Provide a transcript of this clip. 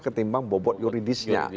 ketimbang bobot yuridisnya